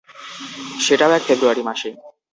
সেটাও এক ফেব্রুয়ারি মাসে।